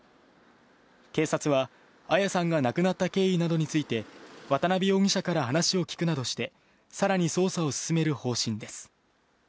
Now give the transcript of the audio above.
警察は、彩さんが亡くなった経緯などについて、渡辺容疑者から話を聴くなどして、さらに捜査を進める方針です。